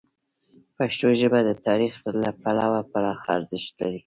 پښتو ژبه د تاریخ له پلوه پراخه ارزښت لري.